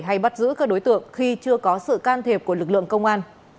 hay bắt giữ các đối tượng khi chưa có sự can thiệp của lực lượng công an